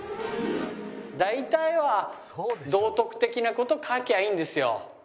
大体は道徳的な事書けばいいんですよ。